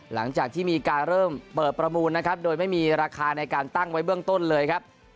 หลังจากที่มีการเริ่มเปิดประมูลนะครับโดยไม่มีราคาในการตั้งไว้เบื้องต้นเลยครับ